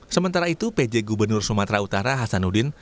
sementara itu pj gubernur sumatera utara hasanuddin